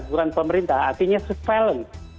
bukan pemerintah artinya surveillance